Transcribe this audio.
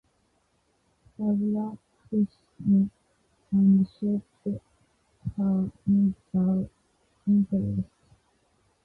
Subbulakshmi and shaped her musical interests.